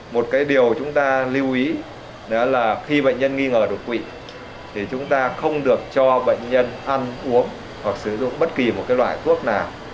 một cái điều chúng ta lưu ý đó là khi bệnh nhân nghi ngờ đột quỵ thì chúng ta không được cho bệnh nhân ăn uống hoặc sử dụng bất kỳ một cái loại thuốc nào